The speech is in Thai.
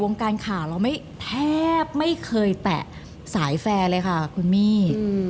การข่าวเราไม่แทบไม่เคยแตะสายแฟร์เลยค่ะคุณมี่